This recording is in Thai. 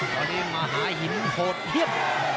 ตอนนี้มหาหินโหดเยี่ยม